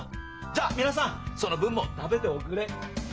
じゃあ皆さんその分も食べておくれ。